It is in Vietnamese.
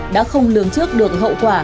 đã không lường trước được hậu quả